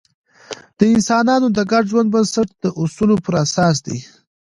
د انسانانو د ګډ ژوند بنسټ د اصولو پر اساس دی.